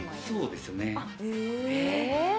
そうですね。